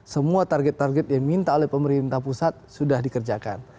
semua target target yang diminta oleh pemerintah pusat sudah dikerjakan